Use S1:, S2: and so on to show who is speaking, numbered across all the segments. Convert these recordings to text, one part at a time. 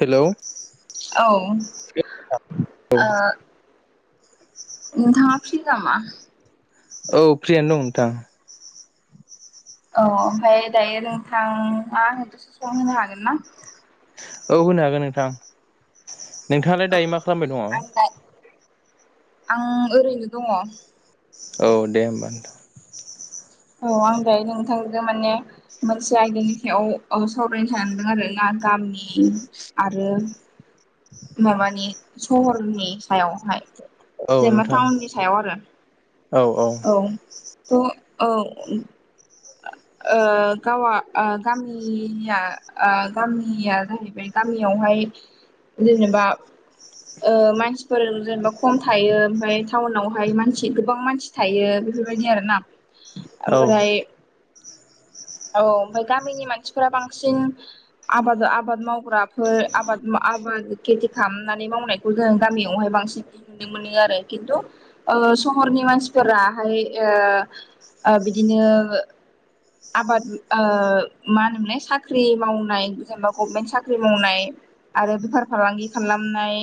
S1: हेल'
S2: औ ओ
S1: औ
S2: नोंथाङा फ्रि नामा?
S1: औ फ्रियानो दं नोंथां
S2: औ ओमफफ्राय दायो नोंथाङा [unintelligible] सम होनो हागोन ना?
S1: औ होनो हागोन नोंथां नोंथाङालाय
S2: औ
S1: दायो मा खालामबाय
S2: आं
S1: दङ?
S2: दा आं ओरैनो दङ।
S1: औ दे होमबा नोंथां।
S2: औ आं दायो नोंथांजों माने मोनसे आयदानि सायाव सावरायनो सानदों आरोना। गामि आरो माबानि सहरनि सायावहाय
S1: औ
S2: जेनेबा
S1: नोंथां
S2: टाउननि सायाव आरो औ थ' औ गावा गामिया गामिया जाहैबाय गामियावहाय जेनेबा मानसिफोर जेनेबा खम थायो। ओमफ्राय टाउनावहाय मानसि गोबां मानसि थायो। बेफोरबायदि आरोना
S1: औ
S2: ओमफ्राय
S1: औ [inaudible]
S2: औ ओमफाय गामिनि मानसिफोरा बांसिन आबाद आबाद मावग्राफोर आबाद खेथि खालामनानै मावनायखौ जोो गामियावहाय बांसिन नुनो मोनो आरो खिन्थु सहरनि मानसिफोराहाय बिदिनो आबाद ओ मा होनोमोनलाय साख्रि मावनाय जेनेबा गभमेन्ट साख्रि मावनाय आरो बेफार फालांगि खालामनाय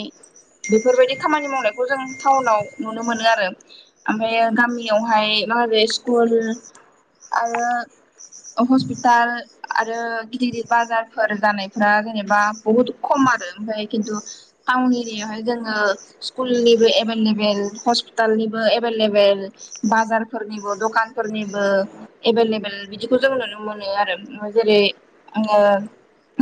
S2: बेफोरबायदि खामानि मावनायखौ जों टाउनाव नुनो मोनो आरो ओमफ्राय गामियावहाय आरो स्कुल आरो हस्पिताल आरो गिदिर गिदिर बाजारफोर जानायफोरा जेनेबा बहुत खम आरो ओमफ्राय किनटु टाउन एरियावहाय जोङो स्कुलनिबो एभलेबेल हसपिटाल निबो एबेल लेबेल बाजार फोरनिबो दखानफोरनिबो एभेलेबेल बिदिखौ जों नुनो मोनो आरो जेरै आंओ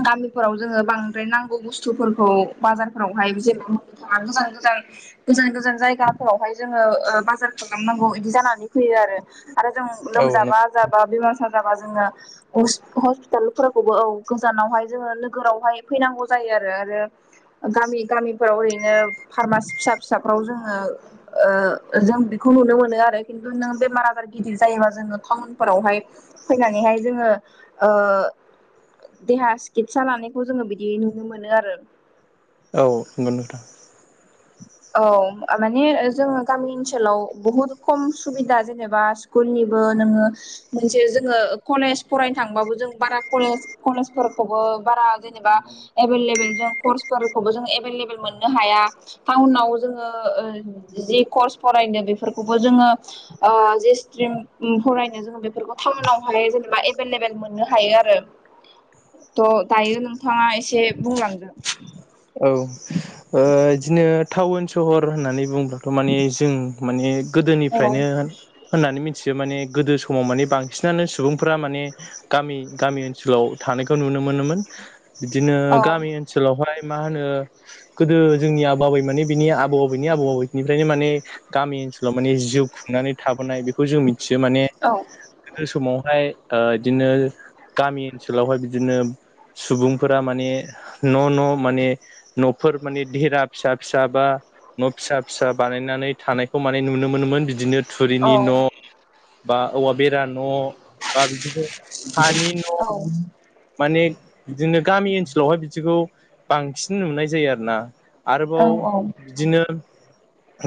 S2: गामिफोराव जोङो बांद्राय नांगौ बुस्थुफोरखौ बाजारफोरावहाय जे थाङा गोजान गोजान गोजान गोजान जायगाफोरावहाय जोङो बाजार खालामनांगौ बिदि जानानै फैयो आरो आरो जों
S1: औ
S2: लोमजाबा जाब बा बेमारगोसाजाबा जोङो हसपिटाल फोरखौबो औ गोजानावहाय जोङो नोगोरावहाय फैनांगौ जायो आरो आरो गामि गामिफोराव ओरैनो फारमासि फिसा फिसाफ्राव जोङो ओ जों बेखौ नुनो मोनो आरो खिन्थु नों बेमार जायोबा जोङो टाउनफोरावहाय फैनानैहाय जोङो ओ देहा सिकितसा लानायखौ जोङो बिदि नुनो मोनो आरो
S1: औ नंगौ नोंथां।
S2: औ माने जोङो गामि ओनसोलाव बहुद खम सुबिदा जेनेबा स्कुलनिबो बिनि सायाव जोंङो कलेस फरायनो थांब्लबो जों कलेस फोरखौबो बारा जेनेबा एभलेबेल जों कर्सफोरखौबो जों एभलेबल मोननो हाया टाउनाव जोङो ओ जि कर्स फरायनो बेफोरखौबो जोङो ओ जेसे फरायनो जोङो बेफोरखौ टाउनावहाय जेनेबा एभेलेबेल मोननो हायो आरो। थ' दायो नोंथाङा एसे बुंलांदो
S1: औ ओ इदिनो टाउन सहर होननानै बुंब्लाथ' माने जों माने
S2: औ
S1: गोदोनिफ्रायनो होन होननानै मिथियो माने गोदो समाव माने बांसिनानो सुबुंफोरा माने गामि गामि ओनसोलाव था नायखौ नुनो मोनोन बिदिनो
S2: औ
S1: गामि ओनसोलावहाय मा होनो गोदो जोंनि आबौ आबै मानि बिनि आबौ आबौनि आबौ आबौनिफ्रायनो माने गामि सोलाव जिउ खुंनानै थोबोनाय बेखौ जों मिथियो माने समावहाय ओ बिदिनो गामि ओनसोलावहाय बिदिनो सुबुंफोरा माने न' न' माने न'फोर माने देरा फिसा फिसा बा न' फिसा फिसा बानायनानै थानायखौ माने नुनो मोनोमोन बिदिनो थुरिनि न' बा औवा बेरा न' बा बि हानि न' माने बिदिनो गामि ओनसोलावहाय बिदिखौ बांसिन नुनाय जायो आरो ना। आरोबाव बिदिनो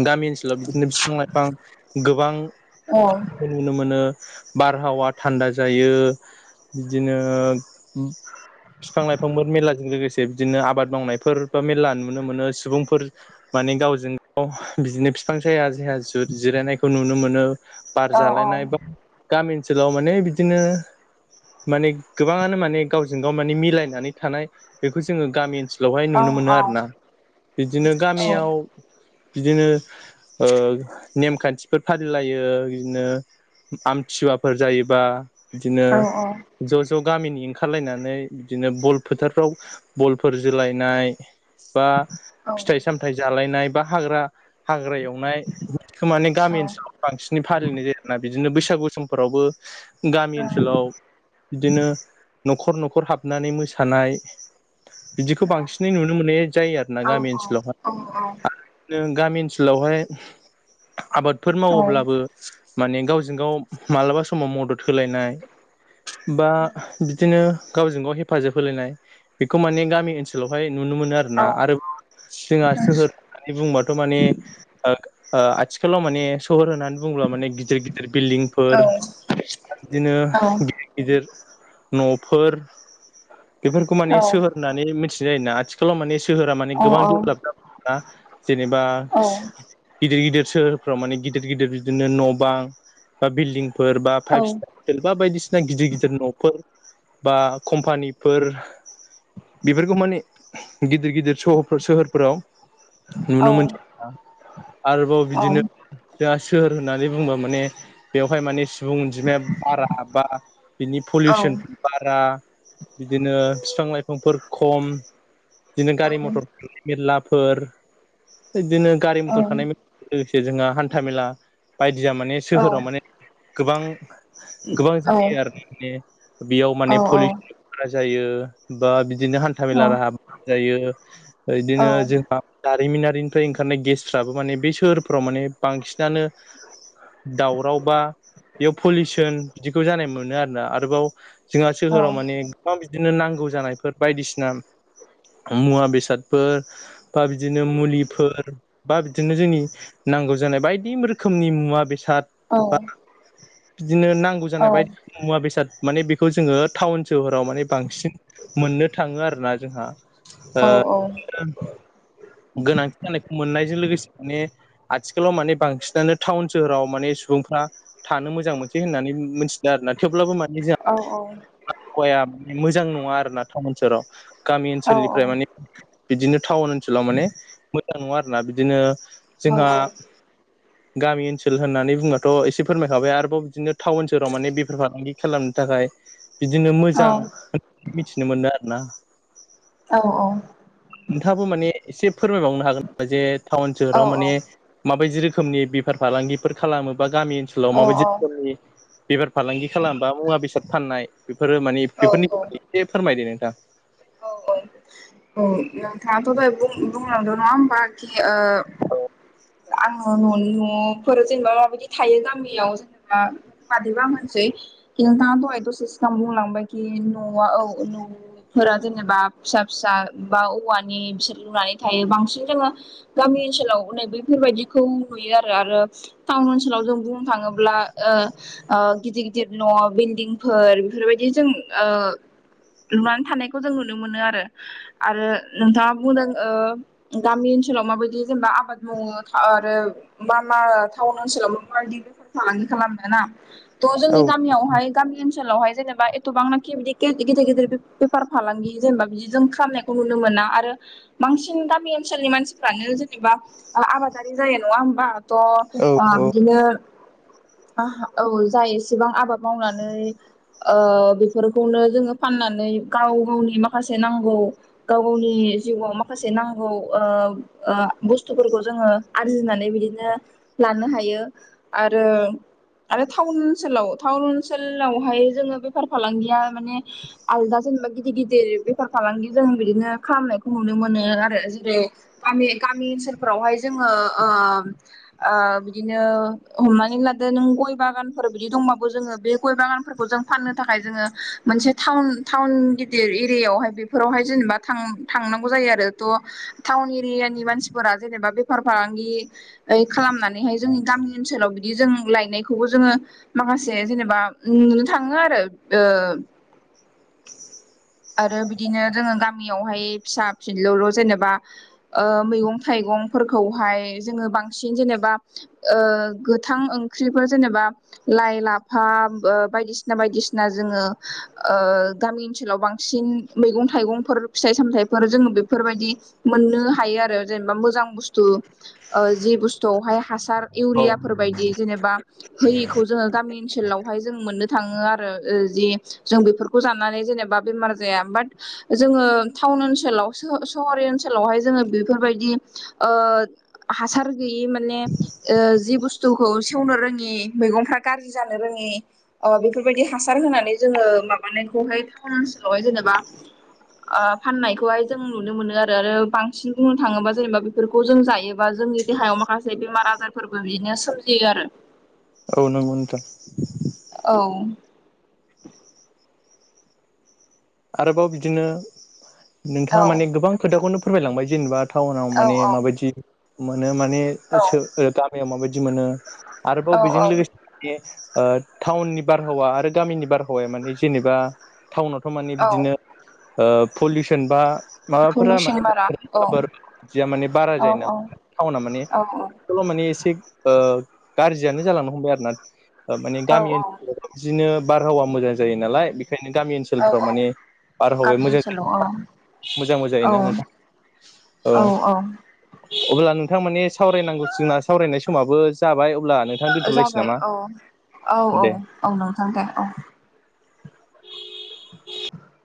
S1: गामि ओनसोलाव बिदिनो बिफां लाइफां गोबां नुनो मोनो बारहावा थान्दा जायो बिदिनो बिफां लाइफांफोर मेललाजों लोगोसे बिदिनो आबाद मावनायफोर बा मेलला नुनो मोनो। सुबुंफोर म- - माने गावजों गाव बिदिनो बिफां साया साया जि जिरायनायखौ नुनो मोनो। बार जालायनाय बा गामिनि ओनसोलाव माने बिदिनो माने गोबाङानो माने गाव जों गाव माने मिलायनानै थानाय बेखौ जोंङो गामि ओनसोल सोलायबाय नुनो मोनो आरो ना बिदिनो गामियाव बिदिनो ओ नेमखान्थिफोर फालिलायो बिदिनो आमथिुसुवाफोर जायोबा बिदिनो ज' ज' गामिनि ओंखारलायनानै बिदिनो बल फोथारफ्राव बलफोर जोलायनाय बा फिथाइ सामथायाइ जालायनाय बा हाग्रा हाग्रा एवनाय बेखौ माने गामि ओनसोलाव बांसिनै फालिनाय जायो आरो ना बिदिनो बैसागु समफोरावबो गामि ओनसोलाव बिदिनो न'खर न'खर हाबनानै मोसानाय बिदिखौ बांसिनै नुनो मोननाय जायो आरो ना गामि ओनसोलावहाय। आरो नों गामि ओनसोलावहाय आबादफोर मावोब्लाबो माने गावजों गाव मालाबा समाव मदद होलायनाय बा बिदिनो गावजों गाव हेफाजाब होलायनाय बेखौ माने गामि ओनसोलावहाय नुनो मोनो आरोना। आरो जोंहा सोहोर होननानै बुंबाथ' माने ओ आथिखालाव माने सोहोर होननानै बुंब्ला माने गिदिर-गिदिर बिल्डिंफोर आरो बिदिनो गिदिर-गिदिर न'फोर बेफोरखौ माने सोहोरनानै मिथिनाय जायोना। आथिखालाव माने सोहोरा माने गोबां डेभेलप जाबाय आरोना जेनेबा गिदिर-गिदिर सोहोरफ्राव माने गिदिर-गिदिर बिदिनो न' बां बा बिल्डिं फोर बा फाइभ स्टार हटेल बा बायदिसिना गिदिर-गिदिर न'फोर बा कम्पानिफोर बेफोरखौ माने गिदिर-गिदिर सहर सोहोरफोराव नुनो मोनसै आरोना। आरोबाव बिदिनो सोहोर होननानै बुंबा माने बेवहाय माने सुबुं अनजिमाया बारा बा बिनि पलिउसन बारा बिदिनो फिफां लाइफांफोर खम बिदिनो गारि मथर मेल्लाफोर बिदिनो गारि मथर खारनाय जे जोंहा हान्थामेला बायदिया माने सोहोराव माने गोबां गोबां जायो आरो माने बेयाव माने पलिसन बारा जायो बा बि -दिनो हान्था मेला राहा जायो बिदिनो जों जारिमिनारिनिफ्राय ओंखारनाय गेसफ्राबो माने बे सहोरफ्राव माने बांसिन दानो दावराव बा बेयाव पलिउसन बिदिखौ जानाय मोनो आरोना आरोबाव जोंहा सोहोराव मानेबां गोबां बिदिनो नांगौ जानायफोर बायदिसिना मुवा बेसादफोर बा बिदिनो मुलिफोर बा बिदिनो जोंनि नांगौ जानाय बायदि रोखोमनि मुवा बेसाद बा बिदिनो नांगौ जानाय बायदि मुवा बेसाद माने बेखौ जोङो टाउन सोहोराव माने बांसिन मोननो थाङो आरो ना जोंहा। ओ गोनांथि जानायखौ मोननायजों लोगोसे माने आथिखालाव माने बांसिनानो टाउन सोहोराव माने सुबुंफ्रा थानो मोजां मोनसै होननानै मिथिदों आरोना थेवब्लाबो माने जोंहा आबहावाया मोजां नङा आरोना टाउन सोहोराव गामि ओनसोलनिफ्राय माने बिदिनो टाउन ओनसोलाव माने मोजां नङा आरोना बिदिनो जोंहा गामि ओनसोल होननानै बुङाथ' एसे फोरमायखाबाय आरोबाव बिदिनो टाउन सहाव माने बेफार फालांगि खालामनो थाखाय बिदिनो मोजां मिथिनो मोनो आरो ना
S2: औ-औ
S1: नोंथाङाबो माने एसे फोरमायबावनो हागोन नामा जे टाउन सोहोराव माने माबायदि रो रोखोमनि बेफार फालांगिफोर खालामो बा गामि ओनसोलाव
S2: औ
S1: माबायदि रोखोमनि बेफार फालांगि खालामबा मुवा बेसाद फाननाय बेफोरो मानि
S2: औ
S1: बेफोरनि बागै एसे फोरमायदो नोंथां। [unintelligible]
S2: औ नोंथाङाथ' दहाय बुं-बुंलांदों नङा होमबा खि ओ आङो ननि न'फोर जेनेबा माबायदि थायो गामियाव जेनेबा मादैबा मोनसि नोंथाङा दहाय दसे सिगां बुंलांबाय कि न'आ औ न' फोर जेनेबा फिसा-फिसा बा औवानि बिसोर लुनानै थायो बांसिन जोङो गामि ओनसोलाव नै बेफोरबायाददिखौ नुयो आरो आरो टाउन ओनसोलाव जों बुंनो थाङोब्ला ओ ओ गिदिर-गिदिर न' बिल्डिंफोर बेफोरबायदि जों ओ लुनानै थानाय खौ जों नुनो मोनो आरो नोंथाङा बुंदों ओ गामि ओनसोलाव माबायदि जेनेबा आबाद मावो आरो मा-मा टाउन ओनसोलाव माबायदि बेफार फालांगि खालामनोना त' जोंनि
S1: औ
S2: गामियावहाय गामि ओनसोलावहाय जेनेबा एथबांनाखि गि गिदिर-गिदिर बेफार फालांगि जेनेबा बिदि जों खालामनायखौ नुनो मोना आरो बांसिन गामि ओनसोलनि मानसिफ्रानो जो जेनबा आबादारि जायो नङा होमबाथ'
S1: औ
S2: बिदिनो
S1: [inaudible]
S2: औ जाय एसेबां आबाद मावनानै बेफोरखौनो जोङो फाननानै गाव गावनि माखासे नांगौ गाव गावनि जिउआव माखासे नांगौ बुस्थुफोरखौ जोङो आरजिनानै बिदिनो लानो हायो आरो आरो टाउन ओनसोलाव टाउन ओनसोलावहाय जोङो बेफार फालांगिया माने आल जेनेबा गिदिर गिदिर बेफार फालांगि जों बिदिनो खालामनायखौ नुनो मोनो आरो जेरै गामि गामि ओनसोलफोरावहाय जोङो बिदिनो हमनानै लादो नों गय बागानफोर बिदि दंबाबो जोङो बे गय बागानफोरखौ जों फाननो थाखाय जोङो मोनसे थाउन टाउन गिदिर एरियाायावहाय बेफोरावहाय जेनेबा थांनांगौ जायो आरो थ' टाउन एरि मानसिफोरा जेनेबा बेफार फालांगि खालामनानै जोंनि गामि ओनसोलाव बिदि जों गायनायबो जोङो माखासे जेनेबा नुनो थाङो आरो
S1: [inaudible] [inaudible]
S2: आरो बिदिनो जोङो गामियावहाय फिसा फिनलौ जेनेबा मैगं थाइगं मैगंफोरखौहाय जोङो बांसिन जेनेबा गोथां ओंख्रिफोर जेनेबा लाइ लाफा बायदिसिना बायदिसिना जोङो गामि ओनसोलाव बांसिन बांसिन मैगं थाइगंफोर फिथाइ सामथफोर जोङो बेफोरबायदि मोननो हायो आरो जेनेबा मोजां बुसथु जि बुस्थुावहाय हासार
S1: औ
S2: इउयाफोर बायदि जेनेबा होयिखौ जोङो गामि ओनसोलावहाय जों मोननो थाङो आरो जि जों बेफोरखौ सनानै जेनेबा बेमार जाया बाट जोङो टाउन ओनसोलाव सहर ओनसोलावहाय जोङो बेफोरबायदि ओ हासार गैयि माने जि बुस्थुखौ सेवनो रोङि मैगंफ्रा गाज्रि जानो रोङि बेफोरबायदि हासार होनानै जोङो माबानायखौहाय जेनबा फाननायखौहाय जों नुनो मोनो आरो बांसिन बुंनो थाङोबा जेनेबा बेफोरखौ जों जायोबा जों जोंनि देहायाव माखासे बेमार आजारफोरबो बिदिनो सोमजियो आरो
S1: औ नोंगौथ'
S2: औ
S1: आरोबाव बिदिनो
S2: औ
S1: नोंथाङा माने गोबां खोथाखौनो फोरमायलांबाय जेनेबा टाउनाव
S2: औ
S1: माने माबायदि मोनो माने गामियाव माबायदि मोनो आरोबाव
S2: औ
S1: बेजों
S2: औ
S1: लोगोसे टाउननि बारहावा आरो गामिनि बारहावाया माने जेनेबा टाउनावथ' माने
S2: औ
S1: बिदिनो पलिउसन बा माबाफोरा
S2: पलुसन बारा औ
S1: मानेफोरदिया माने बारा
S2: औ
S1: जायो
S2: औ
S1: नालाय टाउना माने
S2: औ
S1: 'बेखौल मानि एसे गाज्रियानो जालांनो हमबाय आरो ना माने
S2: औ
S1: गामि ओनसोलफोराव बिदिनो बारहावा मोजां जायो नालाय बेखायनो गामि
S2: औ
S1: ओनसोलफ्राव माने
S2: गामि
S1: मोजां
S2: ओनसोलाव
S1: मोजांबो
S2: औ
S1: जायोना नोंथाङ औ अब्ला नोंथां माने सावरायनांगौसिना सावरायनाय समाबो जाबाय अब्ला नोंथां दोनथ'लायसै
S2: जाबाय
S1: नामा
S2: औ
S1: दे
S2: औ-औ-औ नोंथां दे औ
S1: [inaudible] [unintelligible]